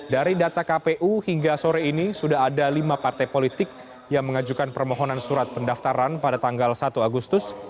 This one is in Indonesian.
dari data kpu hingga sore ini sudah ada lima partai politik yang mengajukan permohonan surat pendaftaran pada tanggal satu agustus